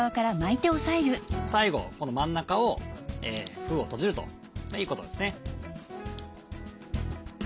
最後この真ん中を封を閉じるということですね。